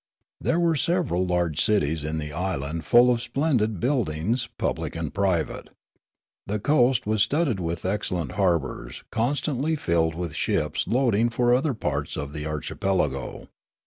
There were several large cities in the island full of splendid buildings public and private. The coast was studded with excellent harbours constantly filled with ships loading for other parts of the archipelago.